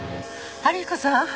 春彦さん。